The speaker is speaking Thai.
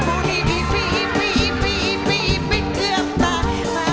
ปูนี่อิปปี่อิปปี่อิปปี่อิปปี่เกือบตาย